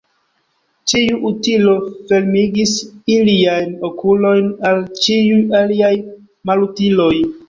Tiu utilo fermigis iliajn okulojn al ĉiuj aliaj malutiloj.